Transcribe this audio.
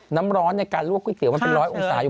น้ำร้อนในการลวกก๋วมันเป็นร้อยองศาอยู่